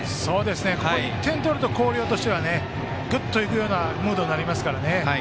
ここ１点取れば広陵としてはぐっといくようなムードになりますからね。